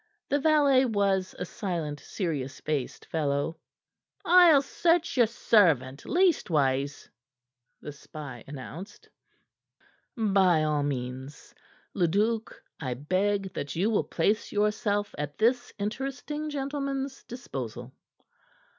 The valet was a silent, serious faced fellow. "I'll search your servant, leastways," the spy announced. "By all means. Leduc, I beg that you will place yourself at this interesting gentleman's disposal."